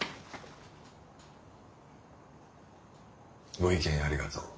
ご意見ありがとう。